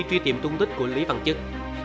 truy tìm tung tích của lý văn chức